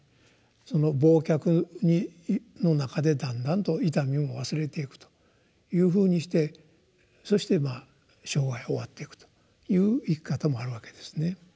その忘却の中でだんだんと痛みも忘れていくというふうにしてそして生涯を終わっていくという生き方もあるわけですね。